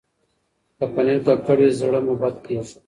که پنېر ککړ وي، زړه مو بد کېږي.